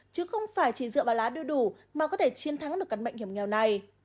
chứ không phải chỉ dựa vào lá đưa đủ mà có thể chiến thắng được căn bệnh hiểm nghèo này